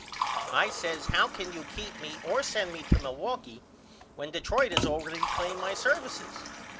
I says How can you keep me or send me to Milwaukee when Detroit has allready claimed my services?